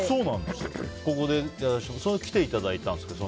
それで来ていただいたんですけど。